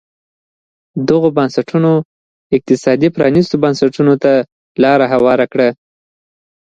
دغو بنسټونو اقتصادي پرانیستو بنسټونو ته لار هواره کړه.